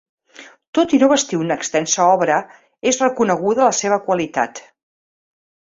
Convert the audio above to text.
Tot i no bastir una extensa obra, és reconeguda la seva qualitat.